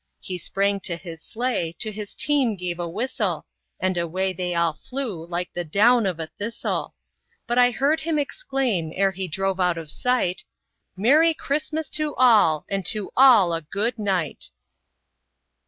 He sprang to his sleigh, to his team gave a whistle, And away they all flew like the down of a thistle; But I heard him exclaim, ere he drove out of sight, "Merry Christmas to all, and to all a good night!"